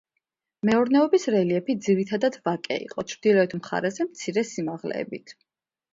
მეურნეობის რელიეფი ძირითადად ვაკე იყო, ჩრდილოეთ მხარეზე მცირე სიმაღლეებით.